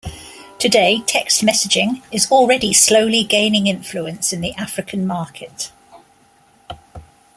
Today, text messaging is already slowly gaining influence in the African market.